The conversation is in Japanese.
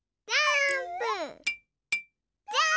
ジャーンプ！